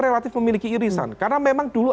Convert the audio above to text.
relatif memiliki irisan karena memang dulu